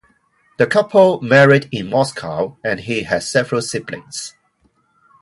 The couple married in Moscow, and he has several siblings.